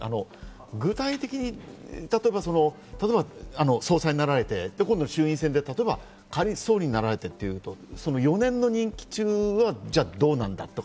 具体的に例えば総裁になられて今度、衆院選で例えば仮に総理になられて４年の任期中どうなんだと。